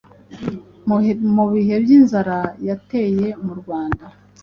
mu bihe by’inzara yateye murwanda